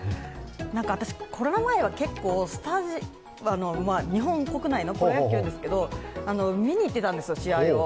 私、コロナ前は、日本国内のプロ野球ですけれども、見にいってたんですよ、試合を。